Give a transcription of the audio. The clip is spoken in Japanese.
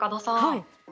はい。